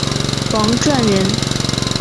王篆人。